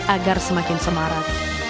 agar semakin semarat